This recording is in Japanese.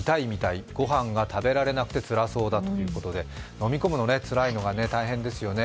飲み込むのつらいのが大変ですよね。